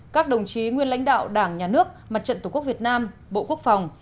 các đồng chí nguyên lãnh đạo đảng nhà nước mặt trận tổ quốc việt nam bộ quốc phòng